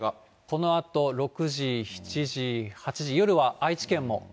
このあと、６時、７時、８時、夜は愛知県も。